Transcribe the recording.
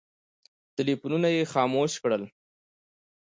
ټلفونونه یې خاموش کړل.